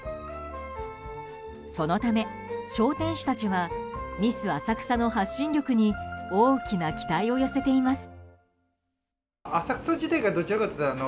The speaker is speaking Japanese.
そのため、商店主たちはミス浅草の発信力に大きな期待を寄せています。